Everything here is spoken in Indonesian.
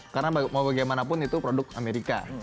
karena mau bagaimanapun itu produk amerika